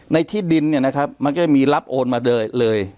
ในทิศดินมันก็จะมีรับโอนมาเลย